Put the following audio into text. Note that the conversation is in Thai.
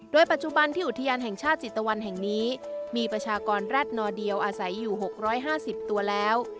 โดยปัจจุบันที่อุทยานแห่งชาติจิตตะวันแห่งนี้มีประชากรแร็ดนอเดียวอาศัยอยู่๖๕๐ตัวแล้ว